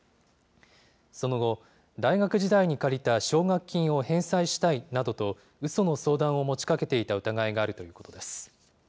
その後、大学時代に借りた奨学金を返済したいなどと、うその相談を持ちかけていた疑いがあるということです。